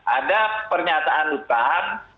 ada pernyataan hutang